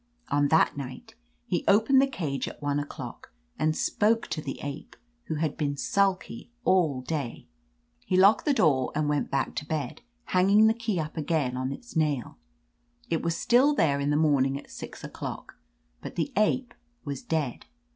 On that night, he opened the cage at one o'clock, aiKl spoke to the ape, who had been sulky all day. He locked the door and went back to bed, hanging the key up again on its nail. It was still there in the morning at six o'clock, but the ape was dead.